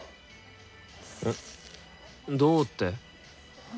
えっどうって？